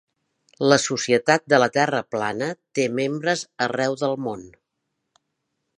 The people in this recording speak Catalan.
La Societat de la Terra plana té membres arreu del món.